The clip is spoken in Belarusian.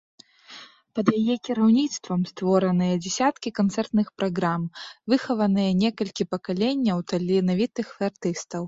Пад яе кіраўніцтвам створаныя дзесяткі канцэртных праграм, выхаваныя некалькі пакаленняў таленавітых артыстаў.